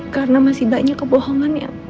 karena masih banyak kebohongan yang